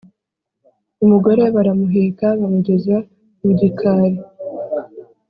Umugore baramuheka bamugeza mu gikari